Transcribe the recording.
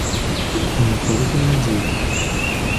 І не толькі надзей!